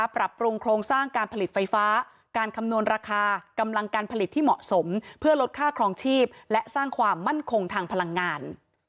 ปรับปรุงโครงสร้างการผลิตไฟฟ้าการคำนวณราคากำลังการผลิตที่เหมาะสมเพื่อลดค่าครองชีพและสร้างความมั่นคงทางพลังงาน